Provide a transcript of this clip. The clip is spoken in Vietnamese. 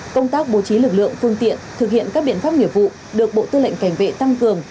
công tác bố trí lực lượng phương tiện thực hiện các biện pháp nghiệp vụ được bộ tư lệnh cảnh vệ tăng cường